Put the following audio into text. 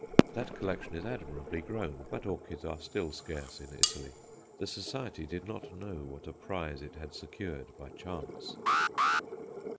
That collection is admirably grown, but orchids are still scarce in Italy. The Society did not know what a prize it had secured by chance.